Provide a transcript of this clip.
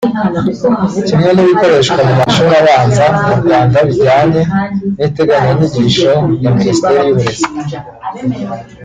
kimwe n’ibikoreshwa mu mashuri abanza mu Rwanda bijyanye n’integanyanyigisho ya Minisiteri y’Uburezi